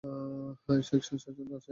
Section স্বাচ্ছন্দে আছে।